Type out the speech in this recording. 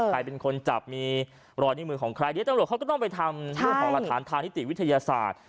ใครเป็นคนจับมีรอยในมือของใครเจ้าหลวงเขาก็ต้องไปทำหลักฐานทางนิติวิทยาศาสตร์